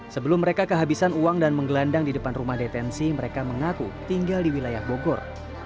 sebelum mereka kehabisan uang dan menggelandang di depan rumah detensi mereka mengaku tinggal di wilayah bogor